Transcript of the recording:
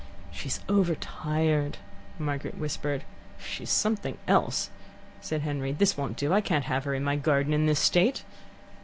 "She's overtired," Margaret whispered. "She's something else," said Henry. "This won't do. I can't have her in my garden in this state."